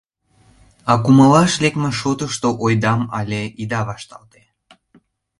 А кумалаш лекме шотышто ойдам але ида вашталте!